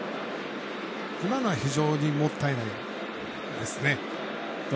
今のは、非常にもったいないですね。